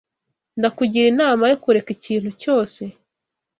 Ndakugira inama yo kureka ikintu cyose